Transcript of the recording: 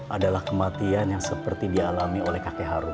adalah kematian yang seperti dialami oleh kakek haru